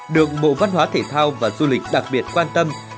được bộ văn hóa thể thao và du lịch đặc biệt quan tâm